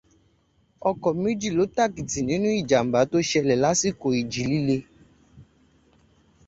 Ọkọ̀ méjì ló tàkìtì nínú ìjàmbá tó ṣẹlẹ̀ lásìkò ìjì líle